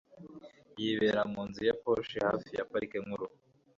Yibera mu nzu ya posh hafi ya Parike Nkuru